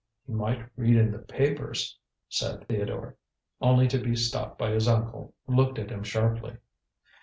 "He might read in the papers " began Theodore, only to be stopped by his uncle, who looked at him sharply.